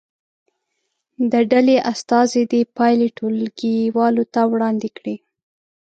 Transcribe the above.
د ډلې استازي دې پایلې ټولګي والو ته وړاندې کړي.